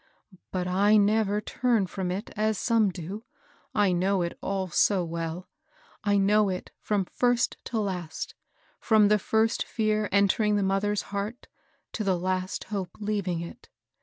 " But I never turn from it as some do, — I know it all so well. I know it from first to last, — from the first fear entering the mother's heart to the last hope leaving it.